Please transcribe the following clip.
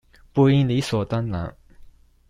不應理所當然